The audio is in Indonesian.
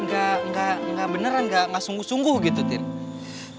gak gak gak beneran gak gak sungguh sungguh gitu tini